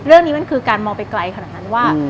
เรื่องนี้มันคือการมองไปไกลขนาดนั้นว่า